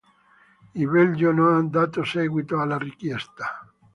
Il Belgio non ha dato seguito alla richiesta.